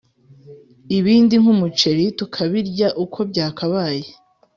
ibindi nk’umuceri tukabirya uko byakabaye.